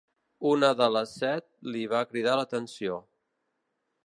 Una de les set li va cridar l'atenció.